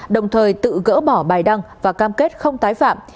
đồng thời tự gỡ bỏ bài đăng và cam kết không tái phạm